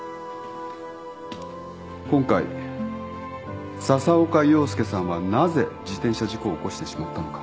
今回笹岡庸介さんはなぜ自転車事故を起こしてしまったのか。